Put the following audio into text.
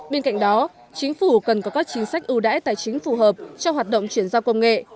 bên cạnh đó chính phủ cần có các chính sách ưu đãi tài chính phù hợp cho hoạt động chuyển giao công nghệ